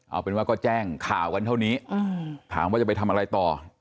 เอาเป็นว่าก็แจ้งข่าวกันเท่านี้ถามว่าจะไปทำอะไรต่อ